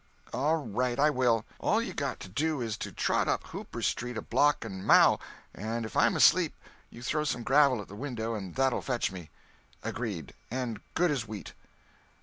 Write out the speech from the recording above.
"All right, I will. All you got to do is to trot up Hooper Street a block and maow—and if I'm asleep, you throw some gravel at the window and that'll fetch me." "Agreed, and good as wheat!"